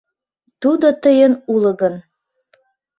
Тудо тыйын уло гын.